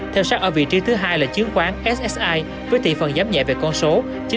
theo sát ở vị trí thứ hai là chứng khoán ssi với thị phần giám nhẹ về con số chín sáu mươi sáu